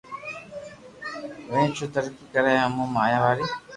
ودئي ھين ترقي ڪرئي او مون آيا واري